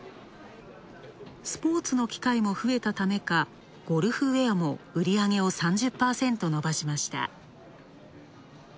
スポーツの機会も増えたためか、ゴルフウェアも売り上げを３０％伸ばしました。